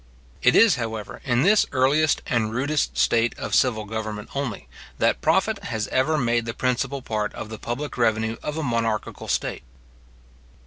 It is, however, in this earliest and rudest state of civil government only, that profit has ever made the principal part of the public revenue of a monarchical state.